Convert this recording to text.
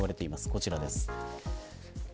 こちらです。